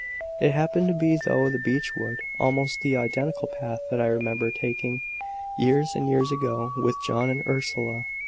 It happened to be through the beech wood, almost the identical path that I remembered taking, years and years ago, with John and Ursula.